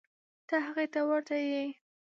ته هغې ته ورته یې.